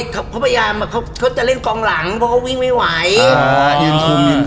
เขาจะเล่นกองหลังเพราะวิ่งไม่ไหว